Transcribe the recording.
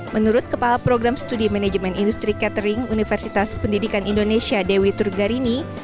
menurut kepala program studi manajemen industri catering universitas pendidikan indonesia dewi turgarini